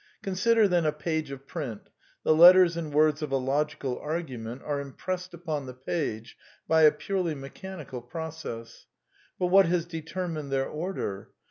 Consider then, a page of print, the letters and words of a logical argument are im pressed upon the page by a purely mechanical process. But what has determined their order?